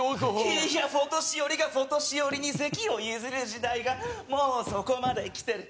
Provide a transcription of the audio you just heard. いーやフォ年寄りがフォ年寄りに席を譲る時代がもうそこまできてる。